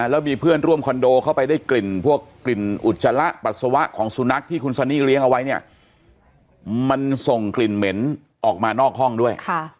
แล้วมีเพื่อนร่วมคอนโดเข้าไปได้กลิ่นพวกกลิ่นอุจจาระปัสสาวะของสุนัขที่คุณซันนี่เลี้ยงเอาไว้เนี่ยมันส่งกลิ่นเหม็นออกมานอกห้องด้วย